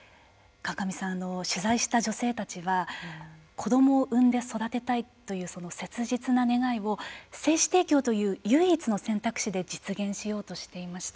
川上さん、取材した女性たちは子どもを産んで育てたいという切実な願いを精子提供という唯一の選択肢で実現しようとしていました。